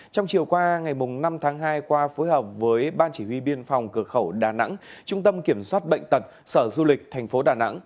trong chiều qua ngày năm tháng hai qua phối hợp với ban chỉ huy biên phòng cửa khẩu đà nẵng trung tâm kiểm soát bệnh tật sở du lịch thành phố đà nẵng